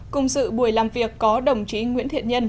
cùng sự buổi làm việc có đồng chí nguyễn thiện nhân